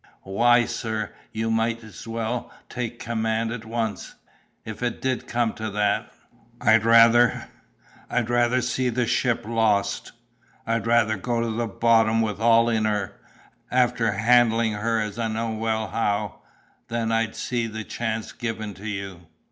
Why, sir, you might as well take the command at once. But, sir, if it did come to that, I'd rather—I'd rather see the ship lost—I'd rather go to the bottom with all in her, after handling her as I know well how, than I'd see the chance given to you!